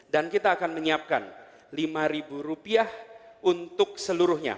dan kita akan menyiapkan rp lima untuk seluruhnya